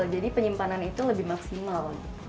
jadi penyimpanan itu lebih maksimal